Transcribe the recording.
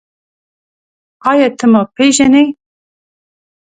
ایا ته ما پېژنې؟